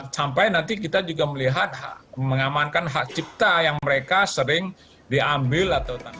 sampai nanti kita juga melihat mengamankan hak cipta yang mereka sering diambil atau